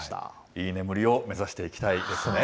いい眠りを目指していきたいですね。